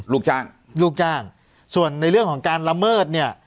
ลูกจ้างลูกจ้างส่วนในเรื่องของการละเมิดเนี่ย